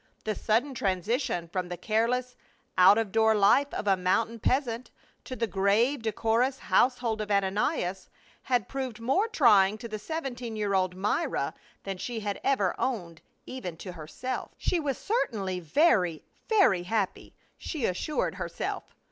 The sudden transition from the care less out of door life of a mountain peasant to the grave decorous household of Ananias, had proved more trying to the seventeen year old Myra than she had ever owned even to herself. 74 PA UL. She was certainly very, very happy, she assured herself.